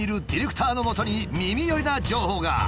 ディレクターのもとに耳寄りな情報が！